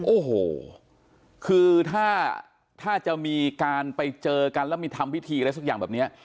โอ้โหคือถ้าจะมีการไปเจอกันแล้วมีทำพิธีอะไรสักอย่างแบบนี้